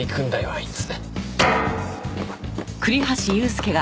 あいつ。